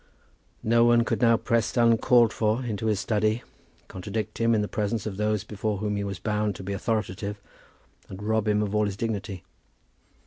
No one could now press uncalled for into his study, contradict him in the presence of those before whom he was bound to be authoritative, and rob him of all his dignity.